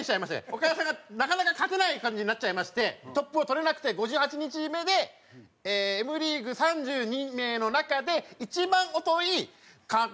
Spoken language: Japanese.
岡田さんがなかなか勝てない感じになっちゃいましてトップをとれなくて５８日目でＭリーグ３２名の中で一番遅いかん